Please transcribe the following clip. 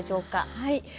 はい。